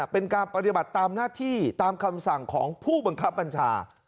เป็นการปฏิบัติตามหน้าที่ตามคำสั่งของผู้บังคับบัญชา